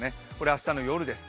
明日の夜です。